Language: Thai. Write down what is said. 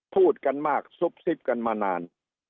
พูดกันมากซุบซิบกันมานาน